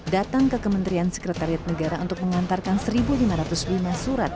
datang ke kementerian sekretariat negara untuk mengantarkan satu lima ratus lima surat